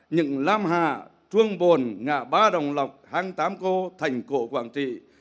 những lam hạ chuông bồn ngạ ba đồng lọc hàng tám cô thành cổ quảng trị